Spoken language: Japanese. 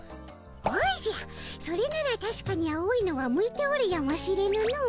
おじゃそれならたしかに青いのは向いておるやもしれぬの。